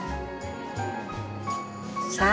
さあ。